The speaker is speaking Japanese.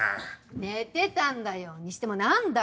寝てたんだよにしても何だい？